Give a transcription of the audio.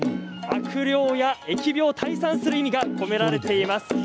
悪霊や疫病退散する意味が込められています。